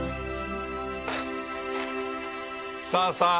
さあさあ